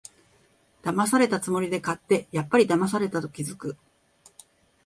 だまされたつもりで買って、やっぱりだまされたと気づく